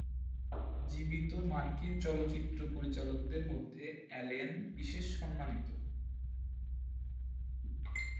জীবিত মার্কিন চলচ্চিত্র পরিচালকদের মধ্যে অ্যালেন বিশেষ সম্মানিত।